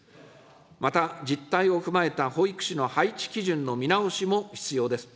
また、実態を踏まえた保育士の配置基準の見直しも必要です。